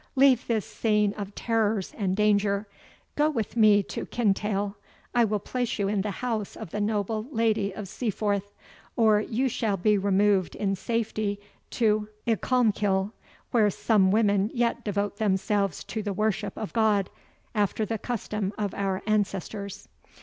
leave this scene of terrors and danger go with me to Kintail I will place you in the house of the noble Lady of Seaforth or you shall be removed in safety to Icolmkill, where some women yet devote themselves to the worship of God, after the custom of our ancestors."